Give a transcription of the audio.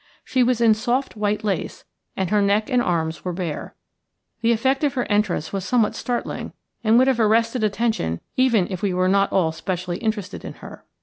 She was in soft white lace, and her neck and arms were bare. The effect of her entrance was somewhat startling and would have arrested attention even were we not all specially interested in her.